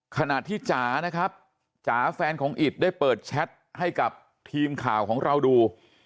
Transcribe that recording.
ขณะที่จ๋านะครับจ๋าแฟนของอิตได้เปิดแชทให้กับทีมข่าวของเราดู